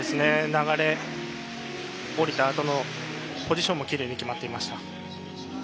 流れ、降りたあとのポジションもきれいに決まっていました。